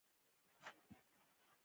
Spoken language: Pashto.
ایا دا موږک دی که سوی یا هوسۍ